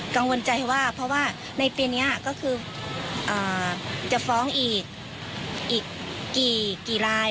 กังวลใจว่าเพราะว่าในปีนี้ก็คือจะฟ้องอีกกี่ราย